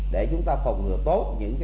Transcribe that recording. để chúng ta phòng ngừa tốt